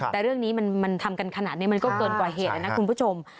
แต่เรื่องนี้มันทำกันขนาดนี้มันก็เกินกว่าเหตุแล้วนะคุณผู้ชม